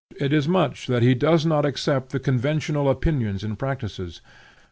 It is much that he does not accept the conventional opinions and practices.